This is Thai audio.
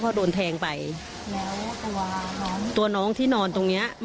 พอโดนแทงไปแล้วตัวน้องตัวน้องที่นอนตรงเนี้ย